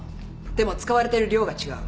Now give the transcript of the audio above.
でも使われてる量が違う。